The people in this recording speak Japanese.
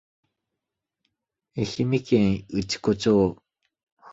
愛媛県内子町